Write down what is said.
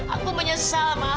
aku menyesal ma